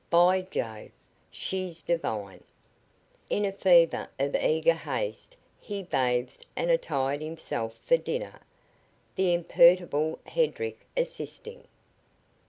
By Jove, she's divine!" In a fever of eager haste he bathed and attired himself for dinner, the imperturbable Hedrick assisting.